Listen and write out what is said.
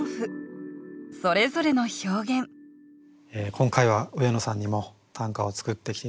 今回は上野さんにも短歌を作ってきて頂きました。